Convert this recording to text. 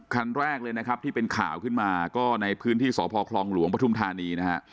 ครั้นแรกที่เป็นข่าวขึ้นมาในพื้นที่สพครองหลวงปทุมธานี